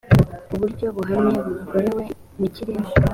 uburyo buhamye bikorewe mu kirere